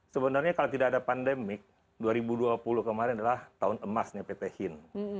sebenarnya kalau tidak ada pandemik dua ribu dua puluh kemarin adalah tahun emasnya pt hin